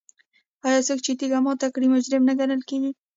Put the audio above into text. آیا څوک چې تیږه ماته کړي مجرم نه ګڼل کیږي؟